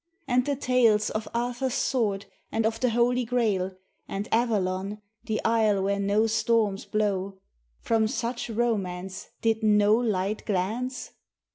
And the tales Of Arthur's sword and of the holy Grail, And Avalon, the isle where no storms blow: From such romance did no light glance?